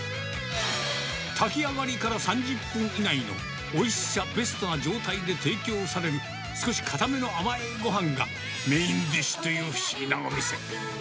炊き上がりから３０分以内のおいしさベストな状態で提供される、少し硬めの甘いごはんが、メインディッシュという不思議なお店。